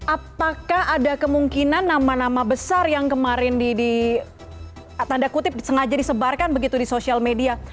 apakah ada kemungkinan nama nama besar yang kemarin di tanda kutip sengaja disebarkan begitu di sosial media